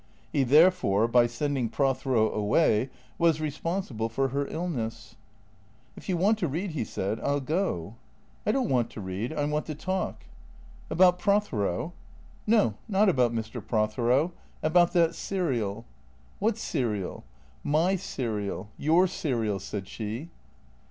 He, therefore, by sending Prothero away, was responsible for her illness. " If you want to read," he said, " I '11 go." "I don't want to read. I want to talk." " About Prothero ?"" No, not about Mr. Prothero. About that serial "" What serial ?"" My serial. Your serial," said she.